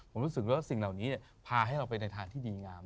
ผมรู้สึกว่าสิ่งเหล่านี้พาให้เราไปในทางที่ดีงาม